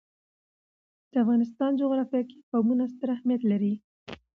د افغانستان جغرافیه کې قومونه ستر اهمیت لري.